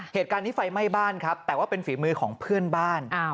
เหตุการณ์นี้ไฟไหม้บ้านครับแต่ว่าเป็นฝีมือของเพื่อนบ้าน